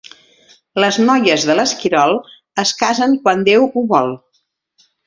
Les noies de l'Esquirol es casen quan Déu ho vol.